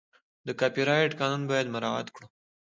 د کاپي رایټ قانون باید مراعت کړو.